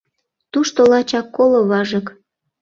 - Тушто лачак коло важык.